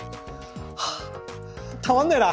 はぁたまんねえな。